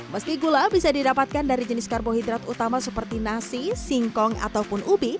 meski gula bisa didapatkan dari jenis karbohidrat utama seperti nasi singkong ataupun ubi